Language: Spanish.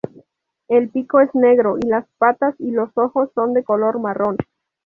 El pico es negro y las patas y los ojos son de color marrón.